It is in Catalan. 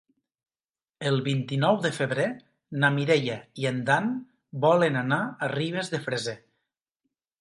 El vint-i-nou de febrer na Mireia i en Dan volen anar a Ribes de Freser.